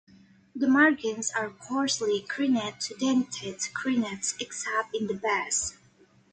The margins are coarsely crenate to dentate-crenate except in the base.